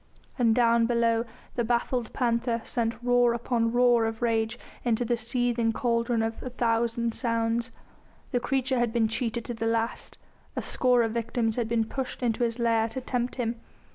And down below the baffled panther sent roar upon roar of rage into the seething cauldron of a thousand sounds. The creature had been cheated to the last; a score of victims had been pushed into his lair to tempt him.